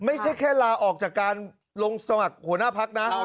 ไม่ใช่แค่ลาออกจากการลงสมัครหัวหน้าพักนะ